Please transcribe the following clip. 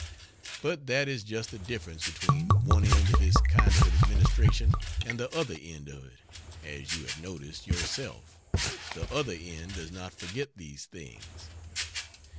But that is just the difference between one end of this kind of an administration and the other end of it, as you have noticed, yourself the other end does not forget these things.